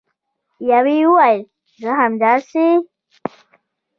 یوې وویل: زه همداسې